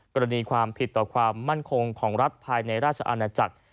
กรณีความผิดต่อความมั่นคงของรัฐภายในราชอาณาจักร